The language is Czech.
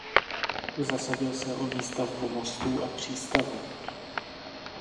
Zasadil se o výstavbu mostů a přístavu.